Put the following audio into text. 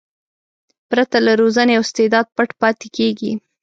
پرته له روزنې استعداد پټ پاتې کېږي.